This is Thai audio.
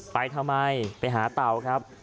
ไปทำไมไปหาเต่าครับ